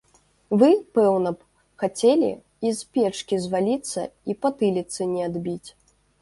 Вы, пэўна б, хацелі і з печкі зваліцца і патыліцы не адбіць?